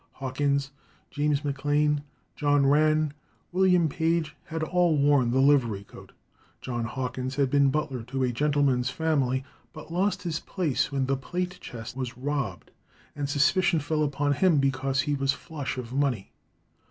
Hawkins, James Maclane, John Rann, William Page, had all worn the livery coat. John Hawkins had been butler in a gentleman's family, but lost his place when the plate chest was robbed, and suspicion fell upon him because he was flush of money.